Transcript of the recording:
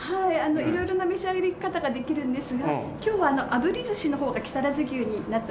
色々な召し上がり方ができるんですが今日はあぶり寿司の方が木更津牛になっております。